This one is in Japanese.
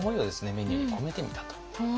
メニューに込めてみたと。